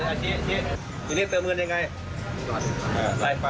เธอเตียบเต่าไหมเห็นเห็นเกินทำไมตรงนี้ใช่ไหม